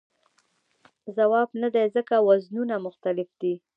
ځواب نه دی ځکه وزنونه مختلف دي.